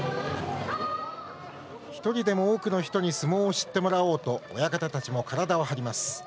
１人でも多くの人に相撲を知ってもらおうと親方たちも体を張ります。